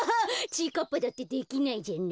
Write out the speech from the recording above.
ちぃかっぱだってできないじゃない。